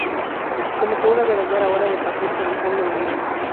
Comenzó una verdadera ola de pasión por el tango en el mundo.